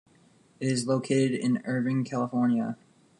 It is located in Irvine, California.